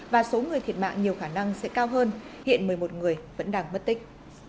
và số người thiệt mạng nhiều khả năng sẽ cao hơn hiện một mươi một người vẫn đang mất tích